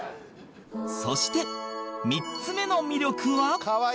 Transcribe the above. そして３つ目の魅力は